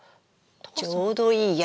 ちょうどいいや。